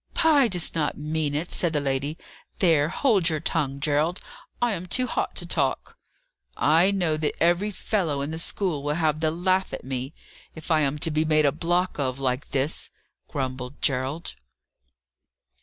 "Pye does not mean it," said my lady. "There, hold your tongue, Gerald. I am too hot to talk." "I know that every fellow in the school will have the laugh at me, if I am to be made a block of, like this!" grumbled Gerald.